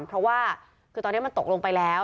เพราะว่าคือตอนนี้มันตกลงไปแล้ว